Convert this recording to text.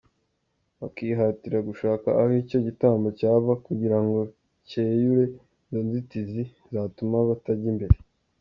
Bakihatira gushaka aho icyo gitambo cyava, kugira ngo cyeyure izo nzitizi zatuma batajya mbere.